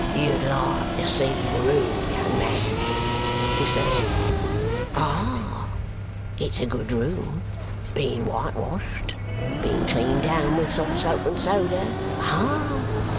"You'd like to see the room, young man?" he says. "Ah! It's a good room! Been whitewashed. Been cleaned down with soft soap and soda. Hi!